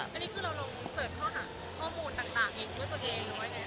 อันนี้คือเราลองเสิร์ชข้อหาข้อมูลต่างเองเมื่อตัวเองน้อยแล้ว